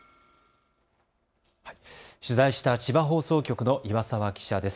取材した千葉放送局の岩澤記者です。